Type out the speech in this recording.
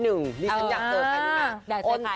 นี่ฉันอยากเจอใครรู้ไหม